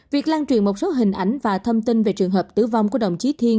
việc lan truyền một số hình ảnh và thông tin về trường hợp tử vong của đồng chí thiên